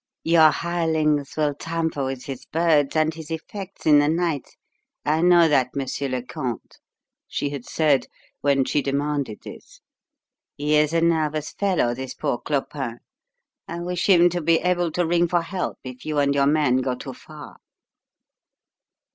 "Your hirelings will tamper with his birds and his effects in the night I know that, Monsieur le Comte," she had said when she demanded this. "He is a nervous fellow, this poor Clopin; I wish him to be able to ring for help if you and your men go too far."